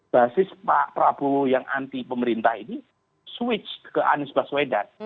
basis pak prabowo yang anti pemerintah ini switch ke anies baswedan